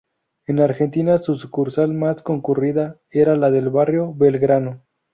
En Argentina, su sucursal más concurrida era la del barrio Belgrano.